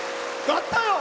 やったよ！